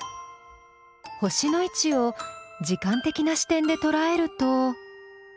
星の位置を時間的な視点でとらえると。